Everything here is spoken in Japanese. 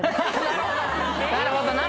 ・なるほどな。